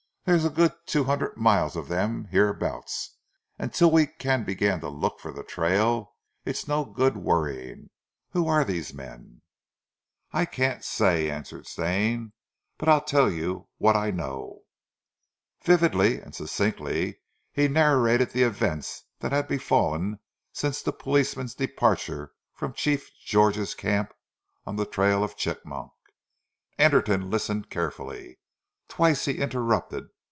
There's a good two hundred miles of them hereabouts and till we can begin to look for the trail it is no good worrying. Who are these men " "I can't say," answered Stane, "but I'll tell you what I know." Vividly and succinctly he narrated the events that had befallen since the policeman's departure from Chief George's camp on the trail of Chigmok. Anderton listened carefully. Twice he interrupted.